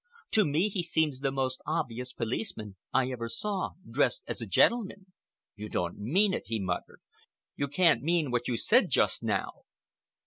To me he seems the most obvious policeman I ever saw dressed as a gentleman." "You don't mean it!" he muttered. "You can't mean what you said just now!"